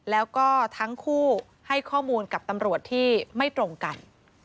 แล้วก็ทั้งคู่ให้ข้อมูลกับตำรวจที่ไม่ตรงกัน